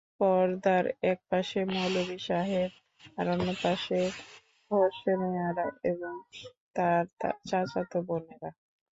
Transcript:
পর্দার একপাশে মৌলভি সাহেব আর অন্য পাশে হোসনে আরা এবং তার চাচাত বোনেরা।